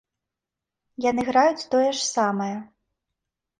Яны граюць тое ж самае.